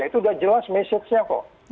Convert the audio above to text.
itu udah jelas mesejnya kok